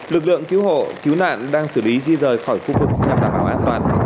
lực lượng cứu hộ cứu nạn đang xử lý di rời khỏi khu vực nhằm đảm bảo an toàn